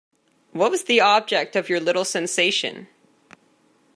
What was the object of your little sensation.